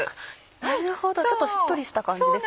なるほどちょっとしっとりした感じですか？